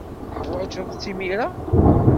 Teḥwajed-tt imir-a?